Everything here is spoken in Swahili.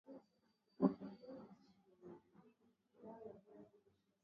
huku wengine wakiamua kubaki katika kambi ya jeshi la Uganda ya Bihanga magharibi mwa Uganda